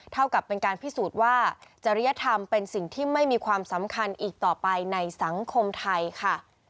เท่ากับเป็นการพิสูจน์ว่าจริยธรรมเป็นสิ่งที่ไม่มีความสำคัญอีกต่อไปในสังคมไทยค่ะ